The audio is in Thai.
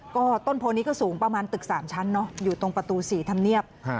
ก็ต้นโพนี้ก็สูงประมาณตึก๓ชั้นเนอะอยู่ตรงประตู๔ธรรมเนียบ